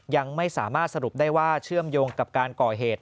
ยังไม่สามารถสรุปได้ว่าเชื่อมโยงกับการก่อเหตุ